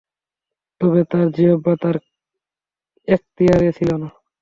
তবে তার জিহবা তার এখতিয়ারে ছিল না।